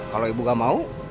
kalau ibu gak mau